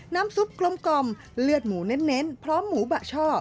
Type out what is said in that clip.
น้ำซุปกลมเลือดหมูเน้นพร้อมหมูบะช่อ